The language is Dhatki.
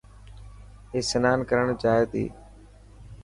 اي سنان ڪرڻ جائي تي.